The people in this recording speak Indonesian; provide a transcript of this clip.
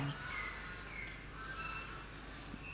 saya tidak ibu